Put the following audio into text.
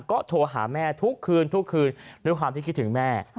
ก็โทรหาแม่ทุกคืนทุกคืนด้วยความที่คิดถึงแม่